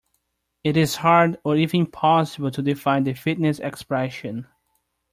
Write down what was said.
It is hard or even impossible to define the fitness expression.